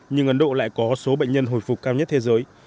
nhưng ấn độ lại có số bệnh nhân hồi phục cao nhất thế giới